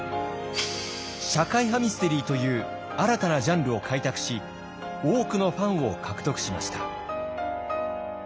社会派ミステリーという新たなジャンルを開拓し多くのファンを獲得しました。